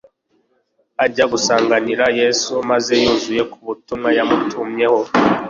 ajya gusanganira Yesu, maze yuzuza ku butumwa yamutumyeho